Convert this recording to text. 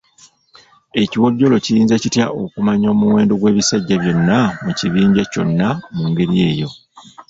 Ekiwojjolo kiyinza kitya okumanya omuwendo gw’ebisajja byonna mu kibinja kyonna mu ngeri eyo?